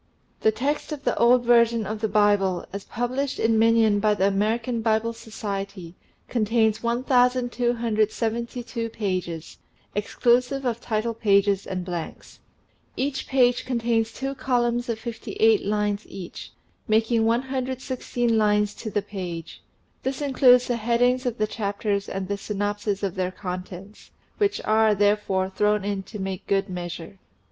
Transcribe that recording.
The text of the old version of the Bible, as published in minion by the American Bible Society, contains 1272 pages, exclusive of title pages and blanks. Each page contains two columns of 58 lines each, making 116 lines to the page. This includes the headings of the chapters and the synopses of their contents, which are, therefore, thrown in to make good measure.